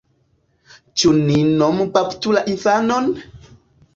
Ĉu ni nom-baptu la infanon?